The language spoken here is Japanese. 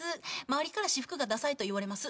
「周りから私服がダサいと言われます」